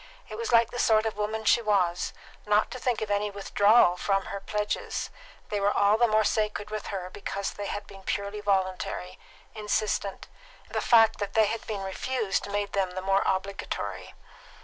It was like the sort of woman she was, not to think of any withdrawal from her pledges; they were all the more sacred with her because they had been purely voluntary, insistent; the fact that they had been refused made them the more obligatory.